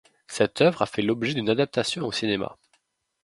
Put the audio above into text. Cette œuvre a fait l'objet d'une adaptation au cinéma.